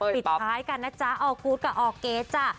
ปิดท้ายกันนะจ๊ะออกูธกับออร์เกสจ้ะ